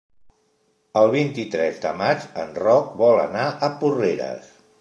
El vint-i-tres de maig en Roc vol anar a Porreres.